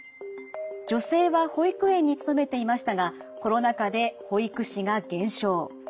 女性は保育園に勤めていましたがコロナ禍で保育士が減少。